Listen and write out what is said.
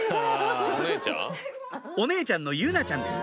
お姉ちゃんの結菜ちゃんです